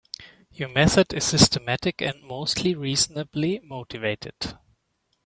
Your method is systematic and mostly reasonably motivated.